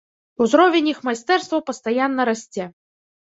Узровень іх майстэрства пастаянна расце.